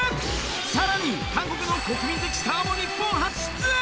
さらに韓国の国民的スターも日本初出演。